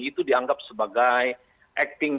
itu dianggap sebagai acting